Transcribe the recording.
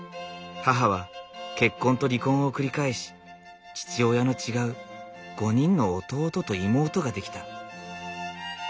母は結婚と離婚を繰り返し父親の違う５人の弟と妹ができた。